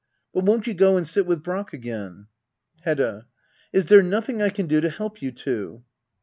But won't you go and sit with Brack again ? Hedda. Is there nothing I can do to help you two